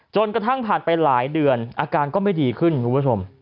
กระทั่งผ่านไปหลายเดือนอาการก็ไม่ดีขึ้นคุณผู้ชม